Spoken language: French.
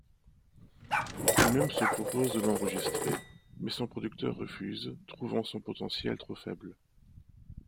Lui-même se propose de l'enregistrer, mais son producteur refuse, trouvant son potentiel trop faible.